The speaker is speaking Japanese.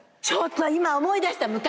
ちょっと今思い出した。